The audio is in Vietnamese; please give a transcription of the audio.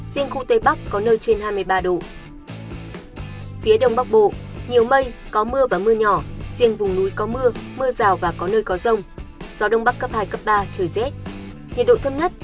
gió bắc đến tây bắc cấp hai cấp ba phía bắc trời rét